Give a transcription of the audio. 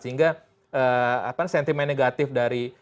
sehingga sentimen negatif dari